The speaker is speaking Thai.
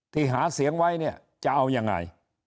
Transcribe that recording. หาเสียงไว้เนี่ยจะเอายังไง